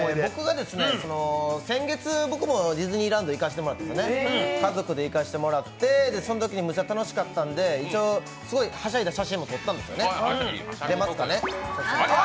先月僕もディズニーランド家族で行かせてもらって、そんときにめちゃ楽しかったんで一応すごいはしゃいだ写真も撮ったんですね。